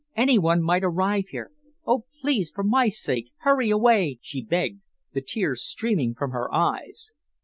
Any one might arrive here. Oh, please, for my sake, hurry away!" she begged, the tears streaming from her eyes.